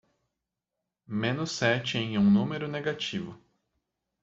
Menos sete em um número negativo.